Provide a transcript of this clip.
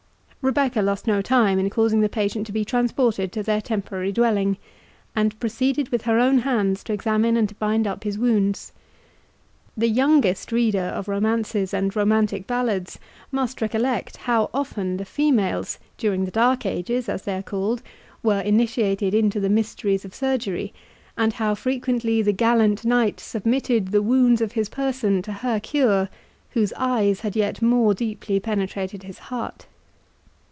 Rebecca lost no time in causing the patient to be transported to their temporary dwelling, and proceeded with her own hands to examine and to bind up his wounds. The youngest reader of romances and romantic ballads, must recollect how often the females, during the dark ages, as they are called, were initiated into the mysteries of surgery, and how frequently the gallant knight submitted the wounds of his person to her cure, whose eyes had yet more deeply penetrated his heart.